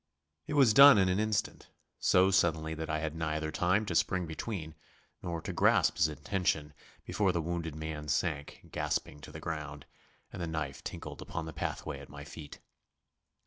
It was done in an instant so suddenly that I had neither time to spring between, nor to grasp his intention before the wounded man sank gasping on the ground, and the knife tinkled upon the pathway at my feet.